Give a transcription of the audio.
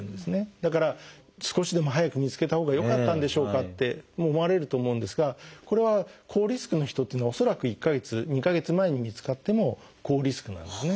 だから少しでも早く見つけたほうがよかったんでしょうかって思われると思うんですがこれは高リスクの人っていうのは恐らく１か月２か月前に見つかっても高リスクなんですね。